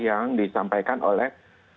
yang disampaikan oleh